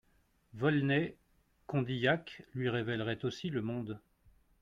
Volney, Condillac, lui révéleraient aussi le monde.